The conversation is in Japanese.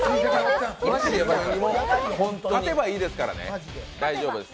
勝てばいいですからね、大丈夫です。